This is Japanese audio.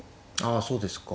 あそうですか。